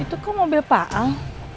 itu kok mobil pak al